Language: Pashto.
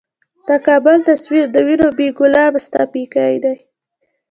د کـــــــــابل تصویر د وینو ،بې ګلابه ستا پیکی دی